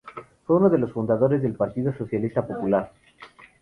Fue uno de los fundadores del Partido Socialista Popular.